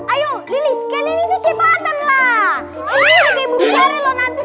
ayo lilis kalian ini kecepatan lah